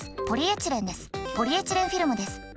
ポリエチレンフィルムです。